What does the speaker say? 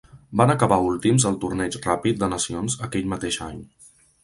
Van acabar últims al torneig ràpid de nacions aquell mateix any.